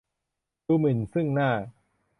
ดูหมิ่นซึ่งหน้า